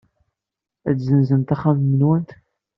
Ad tessenzemt axxam-nwent.